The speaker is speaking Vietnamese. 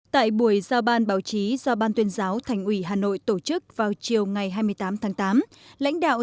tại buổi giao ban báo chí do ban tuyên giáo thành ủy hà nội tổ chức vào chiều ngày hai mươi tám tháng tám lãnh đạo